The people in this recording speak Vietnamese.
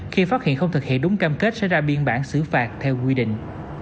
khi phát hiện không thực hiện đúng cam kết sẽ ra biên bản xử phạt theo quy định